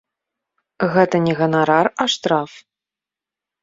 Гэта не ганарар, а штраф.